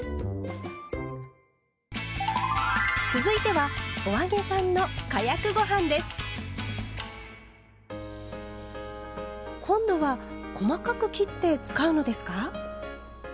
続いては今度は細かく切って使うのですか？